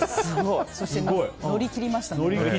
そして乗り切りましたね。